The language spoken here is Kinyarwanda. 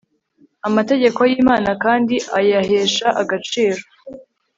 amategeko yImana kandi ayahesha agaciro